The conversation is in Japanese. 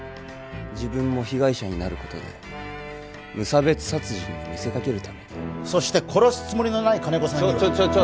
自分も被害者になることで無差別殺人に見せかけるために殺すつもりのない金子さんにはちょちょちょ